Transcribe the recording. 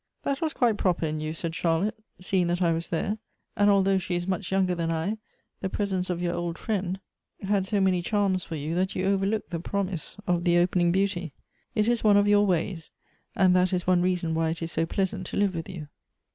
"That was quite proper in you," said Charlotte, " seeing that I was there; and, although she is much younger than I, the presence of your old friend has so many charms for you, that you overlooked the promise of the opening beauty. It is one of your ways ; and that is one reason why it is so pleasant to live with you."